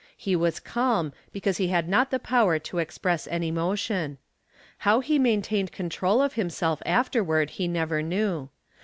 He was calm because he had not the power to express an emotion. How he maintained control of himself afterward he never knew.